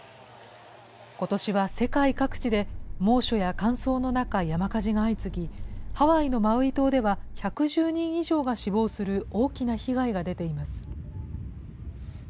ことしは世界各地で猛暑や乾燥の中、山火事が相次ぎ、ハワイのマウイ島では１１０人以上が死亡する大きな被害が出ています。